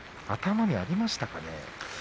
頭にありましたかね？